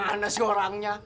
segede mana si orangnya